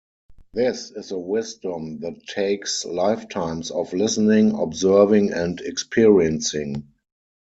This is a wisdom that takes lifetimes of listening, observing and experiencing ...